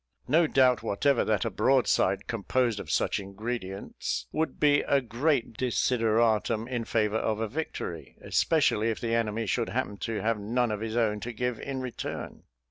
No doubt whatever that a broadside composed of such ingredients, would be a great desideratum in favour of a victory, especially if the enemy should happen to have none of his own to give in return.